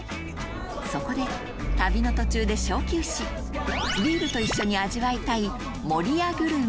そこで旅の途中で小休止ビールと一緒に味わいたい